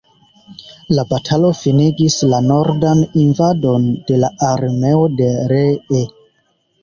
La batalo finigis la nordan invadon de la armeo de Lee.